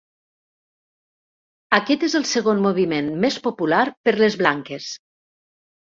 Aquest és el segon moviment més popular per les blanques.